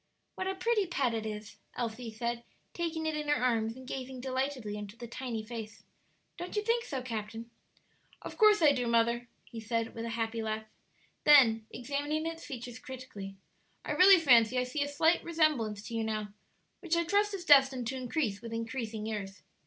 "What a pretty pet it is!" Elsie said, taking it in her arms and gazing delightedly into the tiny face. "Don't you think so, captain?" "Of course I do, mother," he said, with a happy laugh. Then, examining its features critically: "I really fancy I see a slight resemblance to you now, which I trust is destined to increase with increasing years.